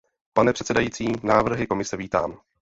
Pane předsedající, návrhy Komise vítám.